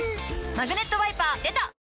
「マグネットワイパー」出た！